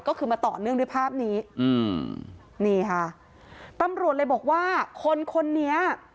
ก็คือมาต่อเนื่องด้วยภาพนี้อืมนี่ค่ะตำรวจเลยบอกว่าคนคนนี้